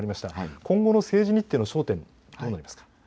今後の政治日程の焦点どうなりますか。